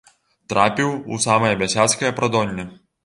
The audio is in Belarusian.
Трапіў у самае бясяцкае прадонне.